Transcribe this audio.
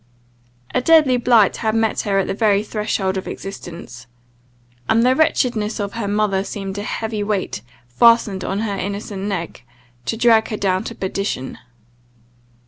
A deadly blight had met her at the very threshold of existence; and the wretchedness of her mother seemed a heavy weight fastened on her innocent neck, to drag her down to perdition.